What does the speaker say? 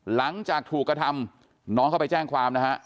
หลังจากถูกกระทำน้องเข้าไปแจ้งความนะฮะ